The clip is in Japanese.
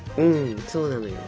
そうなのよ。